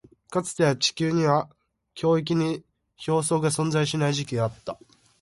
かつて、地球には極域に氷床が存在しない時期があった。